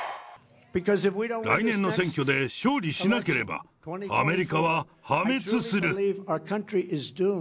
来年の選挙で勝利しなければ、アメリカは破滅する。